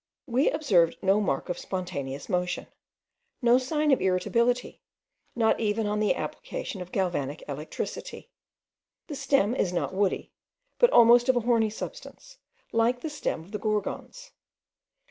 We observed no mark of spontaneous motion, no sign of irritability, not even on the application of galvanic electricity. The stem is not woody, but almost of a horny substance, like the stem of the Gorgons.